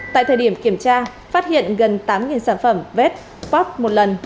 tại thời điểm kiểm tra phát hiện gần tám sản phẩm vép pop một lần